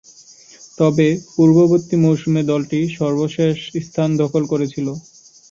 তবে, পূর্ববর্তী মৌসুমে দলটি সর্বশেষ স্থান দখল করেছিল।